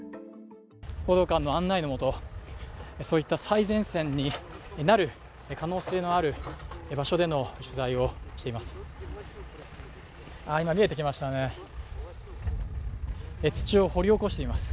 報道官の案内のもとそういった最前線になる可能性のある場所での取材をしています。